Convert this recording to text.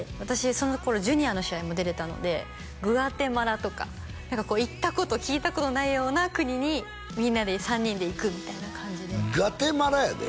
その頃ジュニアの試合も出れたのでグアテマラとか行ったこと聞いたことないような国にみんなで３人で行くみたいな感じでグアテマラやで？